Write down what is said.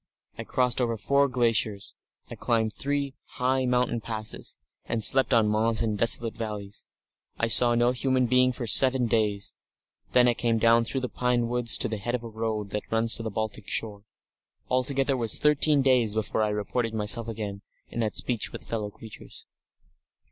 I crossed over four glaciers; I climbed three high mountain passes, and slept on moss in desolate valleys. I saw no human being for seven days. Then I came down through pine woods to the head of a road that runs to the Baltic shore. Altogether it was thirteen days before I reported myself again, and had speech with fellow creatures."